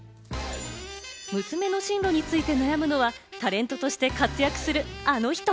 娘の進路について悩むのはタレントとして活躍するあの人。